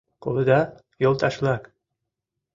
Колыда, йолташ-влак?